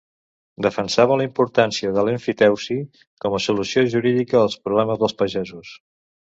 Defensava la importància de l'emfiteusi com a solució jurídica als problemes dels pagesos.